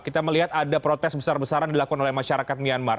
kita melihat ada protes besar besaran dilakukan oleh masyarakat myanmar